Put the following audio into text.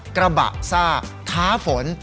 กระบะซ่าท้าฝน